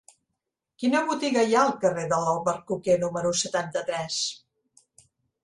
Quina botiga hi ha al carrer de l'Albercoquer número setanta-tres?